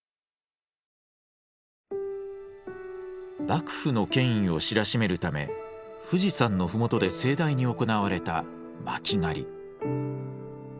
幕府の権威を知らしめるため富士山の麓で盛大に行われた巻狩り。